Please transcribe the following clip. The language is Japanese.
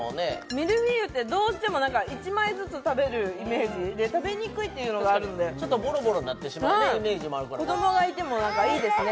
ミルフィーユってどうしても１枚ずつ食べるイメージで食べにくいっていうのがあるんでちょっとボロボロなってしまうねイメージもあるから子どもがいてもいいですね